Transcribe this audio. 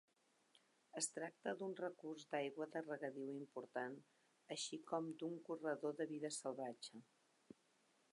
Es tracta d'un recurs d'aigua de regadiu important així com d'un corredor de vida salvatge.